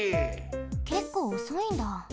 けっこうおそいんだ。